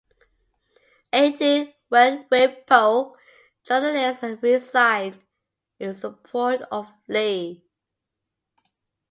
Eighteen "Wen Wei Po" journalists then resigned in support of Lee.